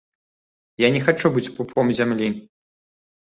Я не хачу быць пупом зямлі.